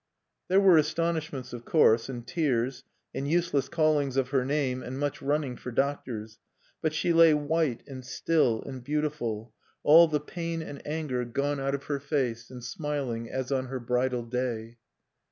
There were astonishments, of course, and tears, and useless callings of her name, and much running for doctors. But she lay white and still and beautiful, all the pain and anger gone out of her face, and smiling as on her bridal day.